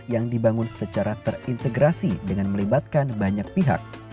yang dibangun secara terintegrasi dengan melibatkan banyak pihak